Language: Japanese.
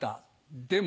でも。